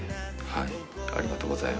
ありがとうございます。